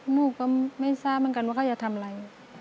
ลูกก็ไม่ทราบเหมือนกันว่าเขาจะทำอะไร